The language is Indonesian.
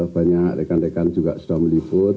banyak rekan rekan juga sudah meliput